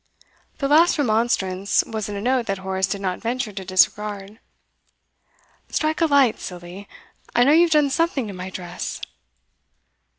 The last remonstrance was in a note that Horace did not venture to disregard. 'Strike a light, silly! I know you've done something to my dress.